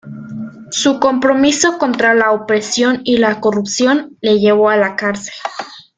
Su compromiso contra la opresión y la corrupción le llevó a la cárcel.